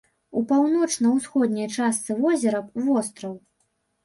У паўночна-ўсходняй частцы возера востраў.